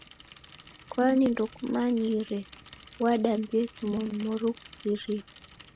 Kwani ndokumanyire? Wadambie kimonu mori ghusirie